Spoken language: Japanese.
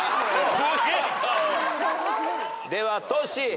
ではトシ。